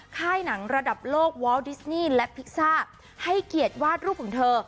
ค่ายหนังระดับโลกวอลดิสนี่และพิซซ่าให้เกียรติวาดรูปของเธอ